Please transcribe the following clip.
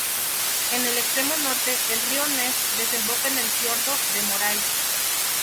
En el extremo norte, el río Ness desemboca en el fiordo de Moray.